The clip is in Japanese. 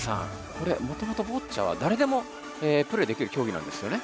これもともとボッチャはだれでもプレーできる競技なんですよね？